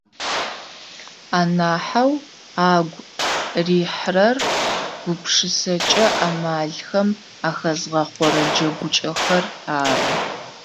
Анахьэу агу рихьырэр гупшысэкӏэ амалхэм ахэзгъэхъорэ джэгукӏэхэр ары.